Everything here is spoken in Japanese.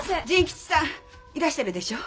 甚吉さんいらしてるでしょ。